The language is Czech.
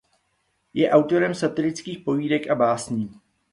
Je autorem satirických povídek a básní.